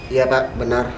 iya pak benar